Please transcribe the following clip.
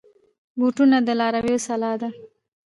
بوټونه د لارویو سلاح ده.